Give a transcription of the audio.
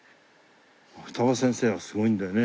二葉先生はすごいんだよね。